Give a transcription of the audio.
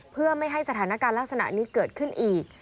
เพื่อไม่ให้สถานการณ์ลักษณะนี้เกิดขึ้นอีก